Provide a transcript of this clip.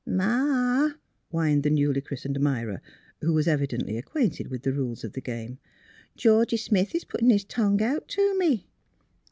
" Ma," whined the newly christened Myra, who was evidently acquainted with the rules of the game, " Georgie Smith is puttin' out his tongue to me!